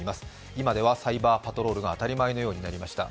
今ではサイバーパトロールが当たり前のようになりました。